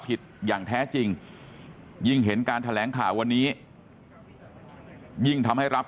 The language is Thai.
อย่างแท้จริงยิ่งเห็นการแถลงข่าววันนี้ยิ่งทำให้รับ